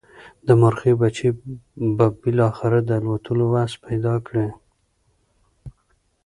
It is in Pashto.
د مرغۍ بچي به بالاخره د الوتلو وس پیدا کړي.